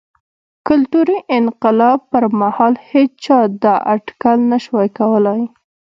کلتوري انقلاب پر مهال هېچا دا اټکل نه شوای کولای.